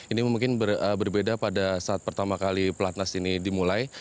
ini mungkin berbeda pada saat pertama kali pelatnas ini dimulai